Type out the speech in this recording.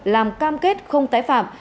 làm cam kết không tái phạm